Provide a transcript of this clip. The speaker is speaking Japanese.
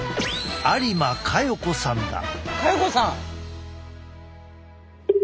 嘉代子さん。